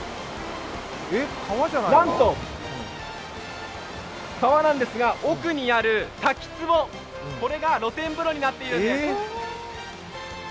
なんと、川なんですが、奥にある滝つぼ、これが露天風呂になっているんです。